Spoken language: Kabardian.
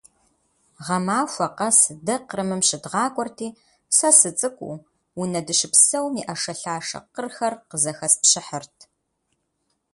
Гъэмахуэ къэс дэ Кърымым щыдгъакӏуэрти, сэ сыцӏыкӏуу, унэ дыщыпсэум и ӏэшэлъашэ къырхэр къызэхэспщыхьырт.